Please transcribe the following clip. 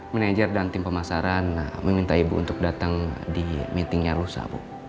manajer dan tim pemasaran meminta ibu untuk datang di meetingnya lusa